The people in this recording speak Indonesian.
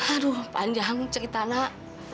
aduh panjang cerita nak